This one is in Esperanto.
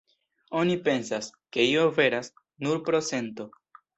Oni pensas, ke io veras, nur pro sento.